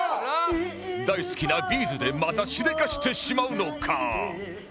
大好きな Ｂ’ｚ でまたしでかしてしまうのか？